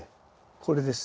これです。